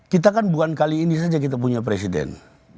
kita kan bukan kali ini saja kita punya presiden